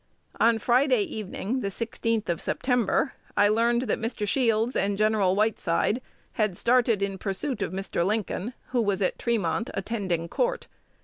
On Friday evening, the 16th of September, I learned that Mr. Shields and Gen. Whiteside had started in pursuit of Mr. Lincoln, who was at Tremont, attending court.